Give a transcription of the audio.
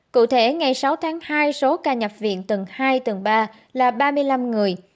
cụ thể ngày sáu tháng hai số ca nhập viện tầng hai tầng ba là ba mươi năm người